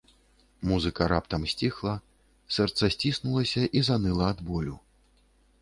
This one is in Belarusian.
Музыка раптам сціхла, сэрца сціснулася і заныла ад болю.